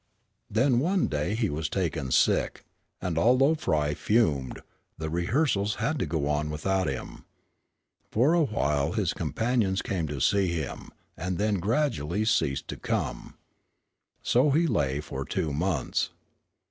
Then one day he was taken sick, and although Frye fumed, the rehearsals had to go on without him. For awhile his companions came to see him, and then they gradually ceased to come. So he lay for two months.